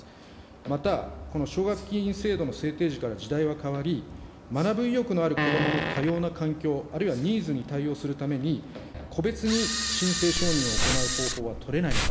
また、この奨学金制度の制定時から時代は変わり、学ぶ意欲のあるこどもの多様な環境、あるいはニーズに対応するために、個別に申請承認を行う方法は取れないのか。